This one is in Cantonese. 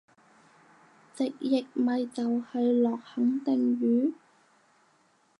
直譯咪就係落肯定雨？